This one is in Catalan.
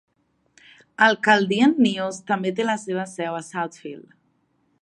El "Chaldean News" també té la seva seu a Southfield.